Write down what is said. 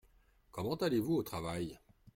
Comment allez-vous au travail ?